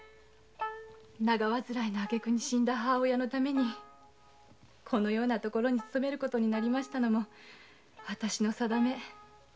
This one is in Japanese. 長患いのあげく死んだ母親のためにこのような所に勤める事になりましたのも私の運命。